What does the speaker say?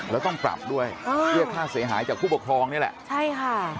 แล้วต้องปรับด้วยเรียกค่าเสียหายจากผู้ปกครองนี่แหละใช่ค่ะ